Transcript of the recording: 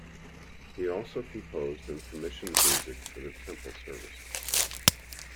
He also composed and commissioned music for the Temple services.